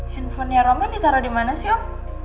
handphone nya roman ditaro dimana sih om